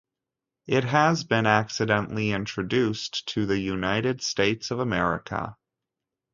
It has been accidentally introduced to the United States of America.